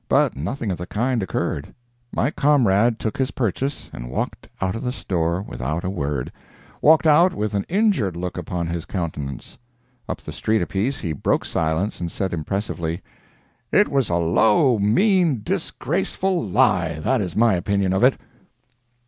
But nothing of the kind occurred. My comrade took his purchase and walked out of the store without a word—walked out with an injured look upon his countenance. Up the street apiece he broke silence and said impressively: "It was a low, mean, disgraceful lie—that is my opinion of it!"